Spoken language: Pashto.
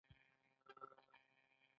آیا دا زموږ باور نه دی؟